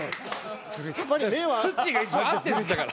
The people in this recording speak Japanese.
ツッチーが一番合ってるんだから。